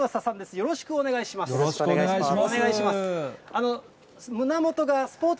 よろしくお願いします。